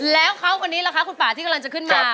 แล้วเขาคนนี้ล่ะคะคุณป่าที่กำลังจะขึ้นมา